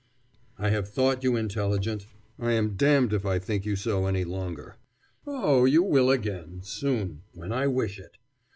"I have thought you intelligent. I am damned if I think you so any longer." "Oh, you will again soon when I wish it.